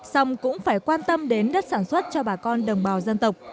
xong cũng phải quan tâm đến đất sản xuất cho bà con đồng bào dân tộc